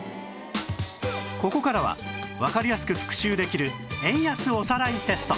ここからはわかりやすく復習できる円安おさらいテスト